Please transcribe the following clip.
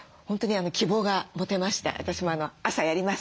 私も朝やります。